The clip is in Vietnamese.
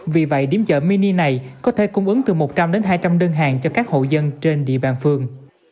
vì vậy điểm chợ mini này có thể cung ứng từ một trăm linh đến hai trăm linh đơn hàng cho các hộ dân trên địa bàn phường